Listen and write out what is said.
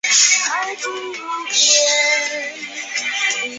纳米比亚议会是纳米比亚的国家立法机关。